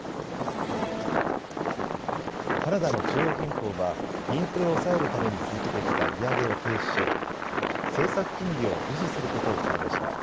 カナダの中央銀行はインフレを抑えるために続けてきた利上げを停止し政策金利を維持することを決めました。